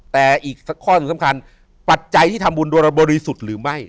แต่อีกข้อหนึ่งสำคัญปัจจัยที่ทำบุญโดยเราบริสุทธิ์หรือไม่